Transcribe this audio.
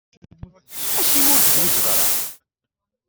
Acimi ur tezwiǧ ara?